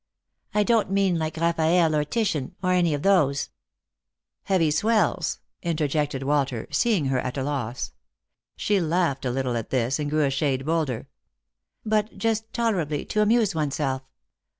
" I don't mean like Raffaelle, or Titian, or any of tbose "" Heavy swells," interjected Walter, seeing her at a loss. She laughed a little at this, and grew a shade bolder. " But just tolerably, to amuse oneself."